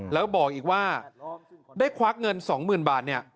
แล้วบอกอีกว่าได้ควักเงิน๒๐๐๐บาทเนี่ย